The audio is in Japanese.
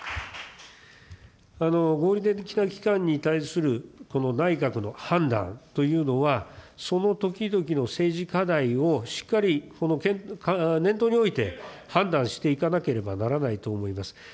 合理的な期間に対するこの内閣の判断というのは、その時々の政治課題をしっかり念頭において判断していかなければならないと思います。